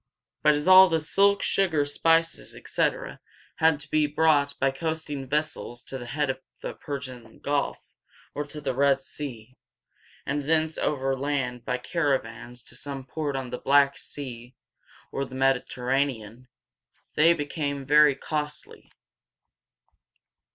But as all the silk, sugar, spices, etc., had to be brought by coasting vessels to the head of the Per´sian Gulf or the Red Sea, and thence overland by caravans to some port on the Black Sea or the Mediterranean, they became very costly.